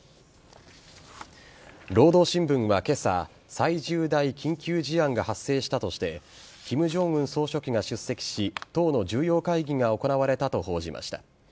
労働新聞は今朝最重大緊急事案が発生したとして金正恩総書記が出席し党の重要会議が行われたと報じました。